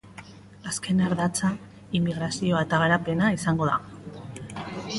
Azken ardatza immigrazioa eta garapena izango da.